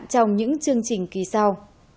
trong những chương trình kỳ sau